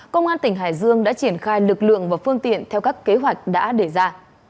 công an tỉnh hải dương đã triển khai lực lượng và phương tiện theo các kế hoạch đã đề ra